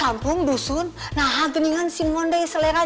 aduh gimana ya